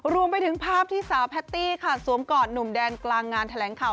รวมไปถึงภาพที่สาวแพตตี้ค่ะสวมกอดหนุ่มแดนกลางงานแถลงข่าว